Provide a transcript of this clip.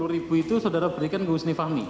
dua puluh ribu itu saudara berikan ke husni fahmi